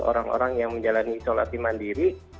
orang orang yang menjalani isolasi mandiri